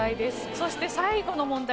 そして最後の問題